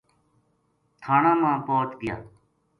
تھانہ ما پوہچ گیا۔